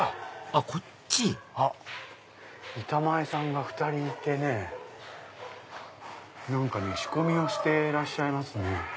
あぁこっち板前さんが２人いてね仕込みをしてらっしゃいますね。